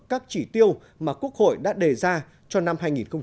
các chỉ tiêu mà quốc hội đã đề ra cho năm hai nghìn một mươi bảy